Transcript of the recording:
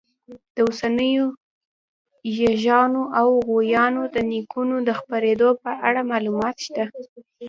د اوسنیو ییږانو او غویانو د نیکونو د خپرېدو په اړه معلومات شته.